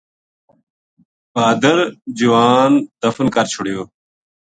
بھادر جوان دفن کر چھُڑیو